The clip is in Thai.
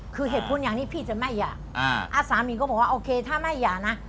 คือเหตุผลอย่างนี้พี่จะไม่หย่าสามีก็บอกว่าโอเคถ้าแม่หย่านะ